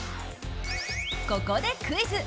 ここでクイズ。